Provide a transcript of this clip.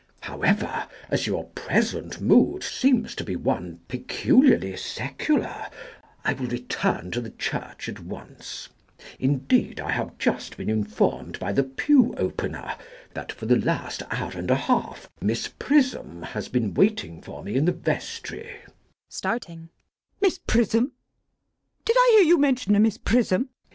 However, as your present mood seems to be one peculiarly secular, I will return to the church at once. Indeed, I have just been informed by the pew opener that for the last hour and a half Miss Prism has been waiting for me in the vestry.